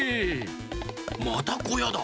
またこやだ。